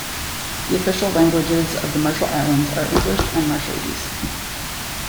The official languages of the Marshall Islands are English and Marshallese.